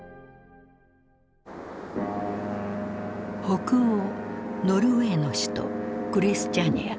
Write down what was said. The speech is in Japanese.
北欧ノルウェーの首都クリスチャニア。